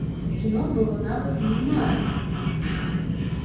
Кіно было нават не марай.